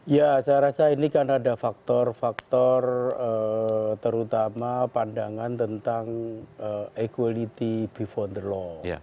ya saya rasa ini kan ada faktor faktor terutama pandangan tentang equality before the law